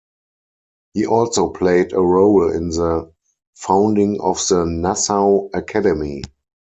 He also played a role in the founding of the Nassau Academy.